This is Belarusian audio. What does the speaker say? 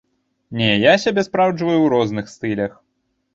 Не, я сябе спраўджваю ў розных стылях.